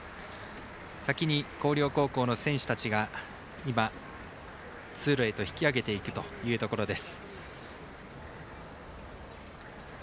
先に広陵高校の選手たちが通路へと引きあげていくというところです。